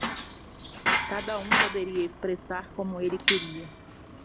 Cada um poderia expressar como ele queria.